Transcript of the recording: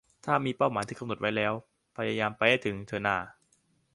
ถ้ามีเป้าหมายที่กำหนดไว้แล้วพยายามไปให้ถึงเถอะน่า